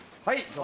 はい！